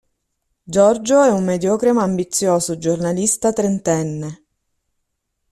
Giorgio è un mediocre ma ambizioso giornalista trentenne.